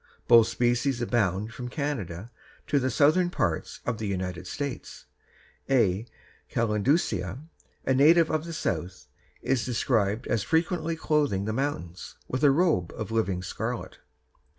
Both species abound from Canada to the southern parts of the United States. A. calendulcea, a native of the South, is described as frequently clothing the mountains with a robe of living scarlet.